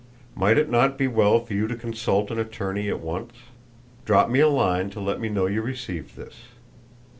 "Might it not be well for you to consult an attorney at once? Drop me a line to let me know you received this.